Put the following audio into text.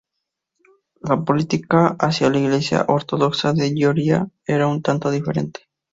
La política hacia la Iglesia Ortodoxa de Georgia era un tanto diferente.